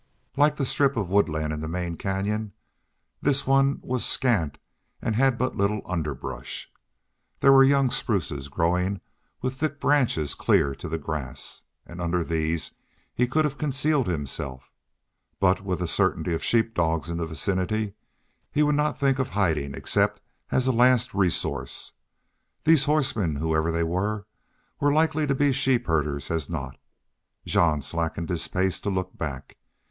Like the strip of woodland in the main canyon, this one was scant and had but little underbrush. There were young spruces growing with thick branches clear to the grass, and under these he could have concealed himself. But, with a certainty of sheep dogs in the vicinity, he would not think of hiding except as a last resource. These horsemen, whoever they were, were as likely to be sheep herders as not. Jean slackened his pace to look back.